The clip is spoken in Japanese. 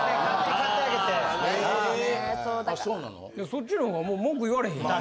そっちの方がもう文句言われへんやん。